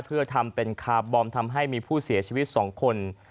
เพื่อทำเป็นคาร์บอมทำให้มีผู้เสียชีวิต๒คน